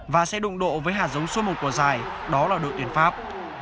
và sẽ đụng độ với hạt giống số một của giải đó là đội tuyển pháp